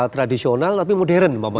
tradisional tapi modern